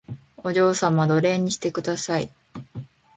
お嬢様奴隷にしてください